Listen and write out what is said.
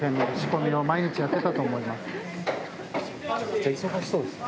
めちゃくちゃ忙しそうですね。